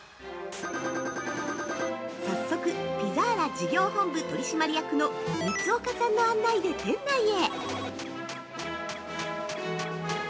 早速、ピザーラ事業本部取締役の光岡さんの案内で店内へ。